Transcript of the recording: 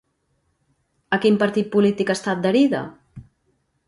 A quin partit polític està adherida?